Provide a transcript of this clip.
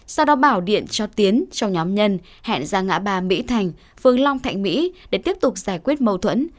sau đó bảo điện cho tiến cho nhóm nhân hẹn ra ngã ba mỹ thành phương long thạnh mỹ để tiếp tục giải quyết mâu thuẫn